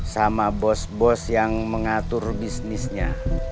sama bos bos yang mengatur bisnisnya